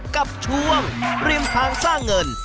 กับช่วงริมทางสร้างเงิน